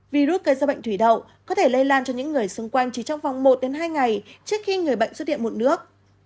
virus gây ra bệnh thủy đậu có thể lây lan cho những người xung quanh chỉ trong vòng một hai ngày trước khi người bệnh xuất hiện mụn nước